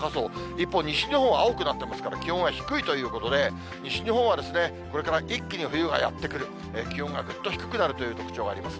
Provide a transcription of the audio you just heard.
一方、西日本は青くなってますから、気温は低いということで、西日本はこれから一気に冬がやって来る、気温がぐっと低くなるという特徴があります。